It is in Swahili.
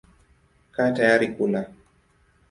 Kaa tayari kula.